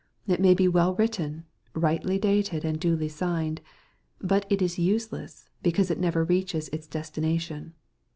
It may be well written, rightly dated, and duly signed. But it is useless, be cause it never reaches its destination.